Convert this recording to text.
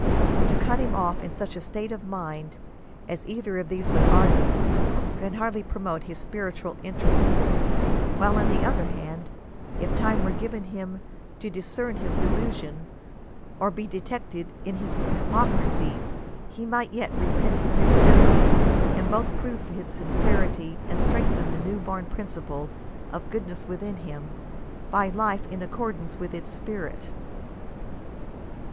To cut him off in such a state of mind as either of these would argue, can hardly promote *• his spiritual interests ;" while, on the otherhand, if time were given him to discern his delusion, or be detected in his hypoc risy, he might yet repent sincerely, and both prove his sincerity and strengthen the new born principle of goodness within him, by a life in accordance with its spirit.